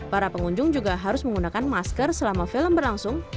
para pengunjung juga harus menggunakan masker selama film berlangsung